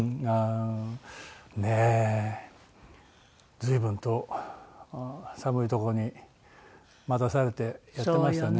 随分と寒いとこに待たされてやってましたね。